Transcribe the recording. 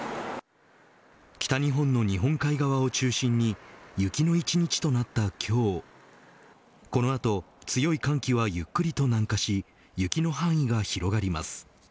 北日本の日本海側を中心に雪の１日となった今日この後、強い寒気はゆっくりと南下し雪の範囲が広がります。